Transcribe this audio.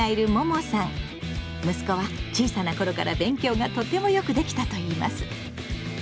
息子は小さな頃から勉強がとてもよくできたといいます。